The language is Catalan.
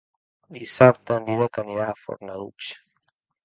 Dissabte en Dídac anirà a Fornalutx.